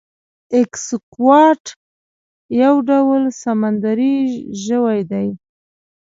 ایکسکوات یو ډول سمندری ژوی دی